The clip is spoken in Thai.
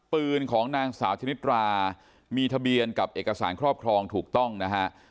ปืนของนางสาวชนิดรามีทะเบียนกับเอกสารครอบครองถูกต้องนะฮะ